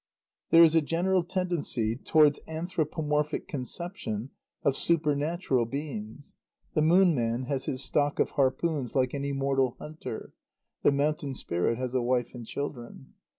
There is a general tendency towards anthropomorphic conception of supernatural beings. The Moon Man has his stock of harpoons like any mortal hunter; the Mountain Spirit has a wife and children.